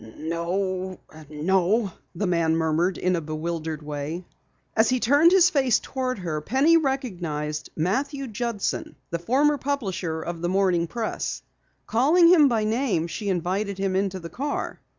"No no," the man murmured in a bewildered way. As he turned his face toward her, Penny recognized Matthew Judson, the former publisher of the Morning Press. Calling him by name, she invited him into the car.